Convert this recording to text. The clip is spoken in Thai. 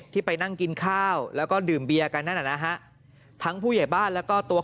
ที่ไปนั่งกินข้าวแล้วก็ดื่มเบียร์กันนั่นน่ะนะฮะทั้งผู้ใหญ่บ้านแล้วก็ตัว